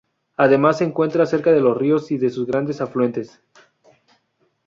Además se encuentran cerca de los ríos y de sus grandes afluentes.